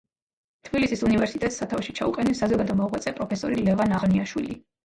თბილისის უნივერსიტეტს სათავეში ჩაუყენეს საზოგადო მოღვაწე, პროფესორი ლევან აღნიაშვილი.